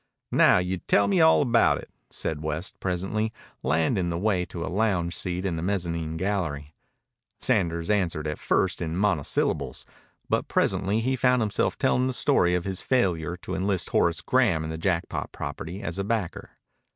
"Now you tell me all about it," said West presently, leading the way to a lounge seat in the mezzanine gallery. Sanders answered at first in monosyllables, but presently he found himself telling the story of his failure to enlist Horace Graham in the Jackpot property as a backer.